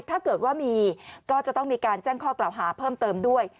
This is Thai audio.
ถ้าเกิดว่ามีก็จะต้องมีการแจ้งข้อกล่าวหาเพิ่มเติมด้วย